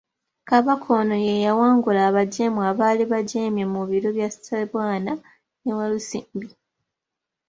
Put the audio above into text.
Kabaka ono ye yawangula abajeemu abaali bajeemye mu biro bya Ssebwana ne Walusimbi.